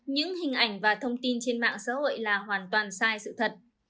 những hình ảnh và thông tin trên mạng xã hội là hoàn toàn sai sự thật